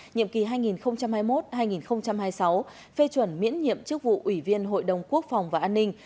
nhiệm kỳ hai nghìn hai mươi một hai nghìn hai mươi sáu phê chuẩn miễn nhiệm chức vụ ủy viên hội đồng quốc phòng và an ninh